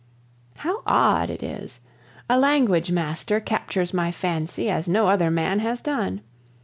How odd it is! A language master captures my fancy as no other man has done.